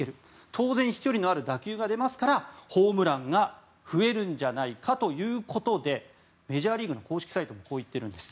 当然、飛距離のある打球が増えますから、ホームランが増えるんじゃないかということでメジャーリーグの公式サイトもこう言っているんです。